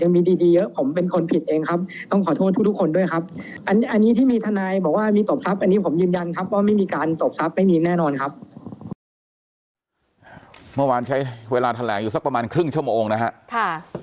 เมื่อวานใช้เวลาแถลงอยู่สักประมาณครึ่งชั่วโมงนะครับ